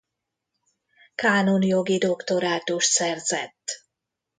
Kánonjogi doktorátust szerzett.